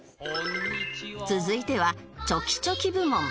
続いてはチョキチョキ部門